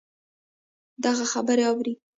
دغـه خبـرې اورې